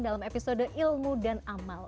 dalam episode ilmu dan amal